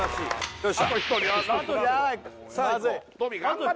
よし！